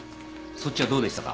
そっちはどうでしたか？